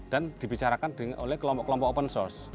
dan dibicarakan oleh kelompok kelompok open source